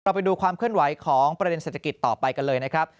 ไปดูความเคลื่อนไหวของประเด็นเศรษฐกิจต่อไปกันเลยนะครับ